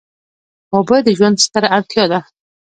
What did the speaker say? اوبه د ژوند ستره اړتیا ده.